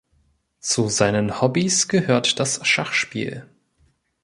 Zu seinen Hobbys gehört das Schachspiel.